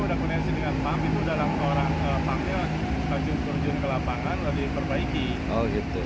udah kondisi dengan pam itu dalam orang kelamnya baju baju ke lapangan lebih perbaiki oh gitu